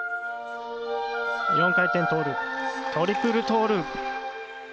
４回転トーループ、トリプルトーループ。